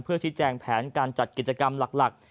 เพื่อที่แจ้งแผนการจัดกิจกรรมหลัก